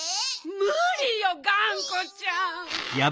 むりよがんこちゃん。